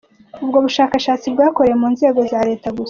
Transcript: Ubwo bushakashatsi bwakorewe mu nzego za leta gusa.